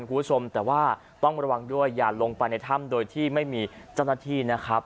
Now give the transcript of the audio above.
คุณผู้ชมแต่ว่าต้องระวังด้วยอย่าลงไปในถ้ำโดยที่ไม่มีเจ้าหน้าที่นะครับ